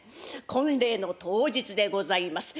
婚礼の当日でございます。